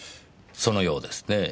そのようですねぇ。